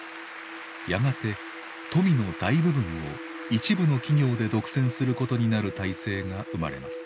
やがて富の大部分を一部の企業で独占することになる体制が生まれます。